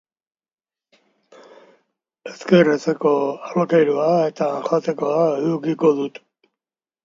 Bai, agian horrelako diru-iturriei esker etxeko alokairua eta jatekoa edukiko duzu.